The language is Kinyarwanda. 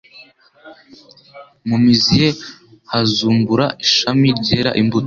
mu mizi ye hazumbura ishami ryera imbuto.